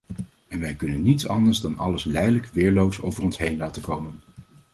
En wij kunnen niets anders dan alles lijdelijk, weerloos, over ons heen laten komen.